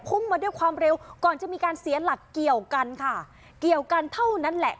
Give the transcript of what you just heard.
มาด้วยความเร็วก่อนจะมีการเสียหลักเกี่ยวกันค่ะเกี่ยวกันเท่านั้นแหละ